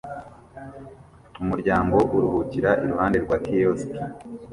Umuryango uruhukira iruhande rwa kiyosiki